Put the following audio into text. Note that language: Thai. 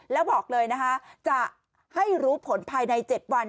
แล้วบอกเลยนะคะจะให้รู้ผลภายใน๗วัน